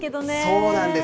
そうなんです。